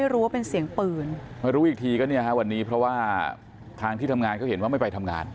รู้อีกทีก็วันนี้เพราะว่าทางที่ทำงานเขาเห็นว่าไม่ไปทำงาน